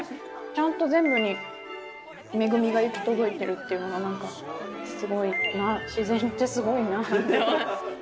ちゃんと全部に恵みが行き届いてるっていうのが何かすごいなあ自然ってすごいなあ。